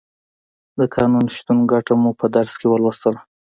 د قانون شتون ګټه مو په درس کې ولوستله.